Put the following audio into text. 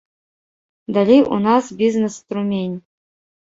Далей у нас бізнес-струмень.